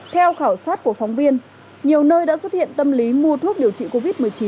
theo khảo sát của phóng viên nhiều nơi đã xuất hiện tâm lý mua thuốc điều trị covid một mươi chín để dự trữ